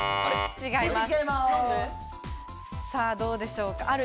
違います。